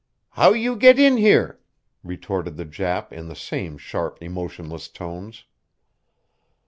"How you get in here?" retorted the Jap in the same sharp, emotionless tones.